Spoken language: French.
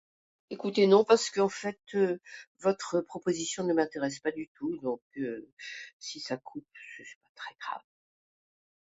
votre proposition ne m'intéresse pas